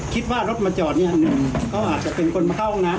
คิดว่ารถมาจอดเนี่ยเขาอาจจะเป็นคนมาเข้าห้องน้ำ